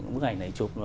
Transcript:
bức ảnh này chụp